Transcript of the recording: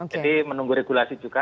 jadi menunggu regulasi juga